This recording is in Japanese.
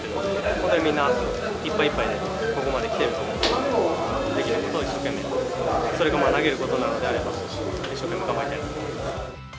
ここでみんな、いっぱいいっぱいでここまで来てると思うのでできることを一生懸命、それが投げることなのであれば一生懸命頑張りたいと思います。